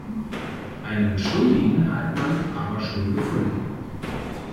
Einen Schuldigen hat man aber schon gefunden.